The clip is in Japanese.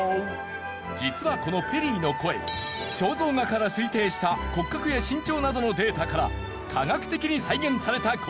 実はこのペリーの声肖像画から推定した骨格や身長などのデータから科学的に再現された声。